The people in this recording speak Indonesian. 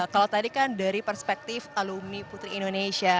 kalau tadi kan dari perspektif alumni putri indonesia